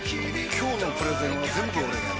今日のプレゼンは全部俺がやる！